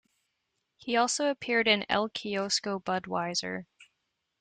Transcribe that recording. He also appeared in "El Kiosko Budweiser".